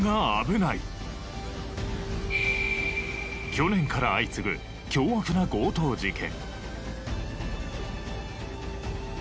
去年から相次ぐ凶悪な強盗事件。